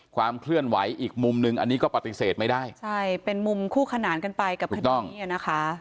ความเคลื่อนไหวอีกมุมนึงอันนี้ก็ปฏิเสธไม่ได้ใช่เป็นมุมคู่ขนานกันไปกับคดีนี้อ่ะนะคะ